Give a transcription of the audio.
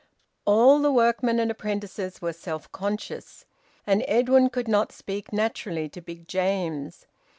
All the workmen and apprentices were self conscious. And Edwin could not speak naturally to Big James.